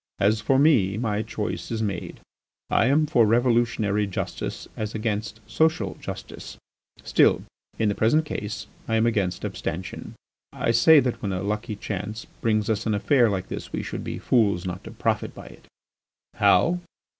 As for me, my choice is made. I am for revolutionary justice as against social justice. Still, in the present case I am against abstention. I say that when a lucky chance brings us an affair like this we should be fools not to profit by it. "How?